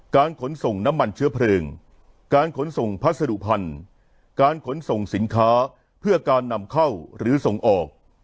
ขนส่งน้ำมันเชื้อเพลิงการขนส่งพัสดุพันธุ์การขนส่งสินค้าเพื่อการนำเข้าหรือส่งออก